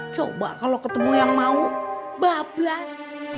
coba kalau ketemu yang mau bablas